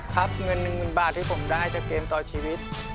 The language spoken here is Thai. ครับเงิน๑๐๐๐บาทที่ผมได้จากเกมต่อชีวิต